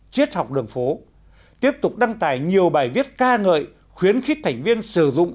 chiết học đường phố tiếp tục đăng tải nhiều bài viết ca ngợi khuyến khích thành viên sử dụng